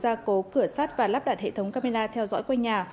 hùng ra cố cửa sát và lắp đặt hệ thống camera theo dõi quê nhà